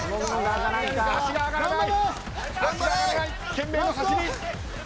懸命の走り。